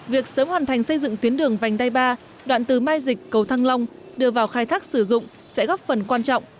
việc sớm hoàn thành xây dựng tuyến đường vành đai ba đoạn từ mai dịch cầu thăng long đưa vào khai thác sử dụng sẽ góp phần quan trọng